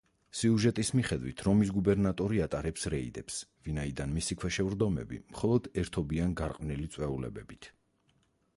სიუჟეტის მიხედვით, რომის გუბერნატორი ატარებს რეიდებს, ვინაიდან მისი ქვეშევრდომები მხოლოდ ერთობიან გარყვნილი წვეულებებით.